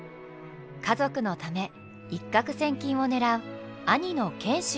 家族のため一獲千金を狙う兄の賢秀。